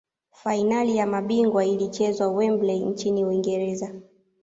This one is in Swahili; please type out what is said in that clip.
fainali ya mabingwa ilichezwa wembley nchini uingereza